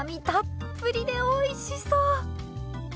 たっぷりでおいしそう！